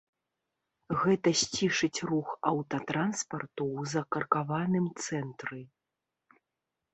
Гэта сцішыць рух аўтатранспарту ў закаркаваным цэнтры.